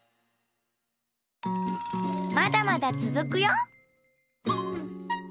まだまだつづくよ！